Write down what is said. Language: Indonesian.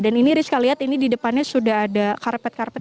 dan ini rizka lihat ini di depannya sudah ada karpet karpet